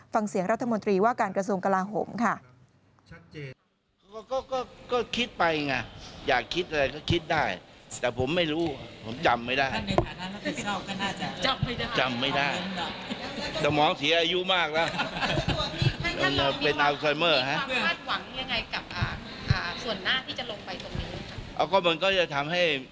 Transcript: ฟังเสียงรัฐมนตรีว่าการกระทรวงกลาโหมค่ะ